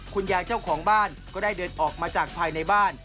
คุณยายเจ้าของบ้านก็ได้เดินออกมาจากภายในบ้าน